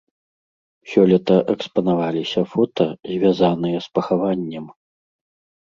Сёлета экспанаваліся фота, звязаныя з пахаваннем.